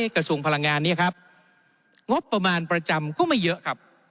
กระทรวงพลังงานนี้ครับงบประมาณประจำก็ไม่เยอะครับ